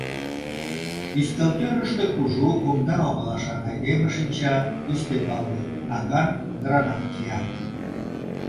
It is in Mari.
Ӱстелтӧрыштӧ кужу, кумда оҥылашан айдеме шинча, ӱстембалне наган, гранат кия.